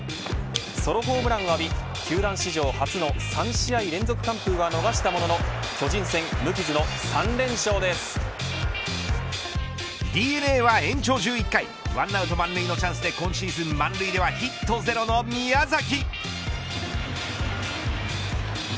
ソロホームランを浴び球団史上初の３試合連続完封は逃したもののＤｅＮＡは延長１１回１アウト満塁のチャンスで今シーズン満塁ではヒットゼロの宮崎。